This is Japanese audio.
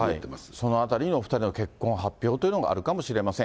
そのあたりにお２人の結婚発表というのがあるかもしれません。